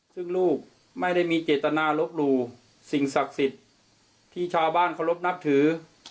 ซึ่งลูกไม่ได้มีเจตนาลบหลู่สิ่งศักดิ์สิทธิ์ที่ชาวบ้านเคารพนับถือ